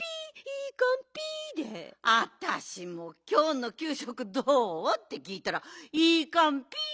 わたしも「きょうのきゅうしょくどう？」ってきいたら「イイカンピー！」